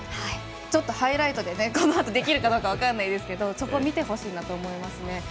ちょっとハイライトでこのあとできるかどうか分からないですけど、そこを見てほしいなと思いますね。